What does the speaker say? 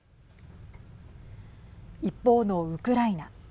一方のウクライナ。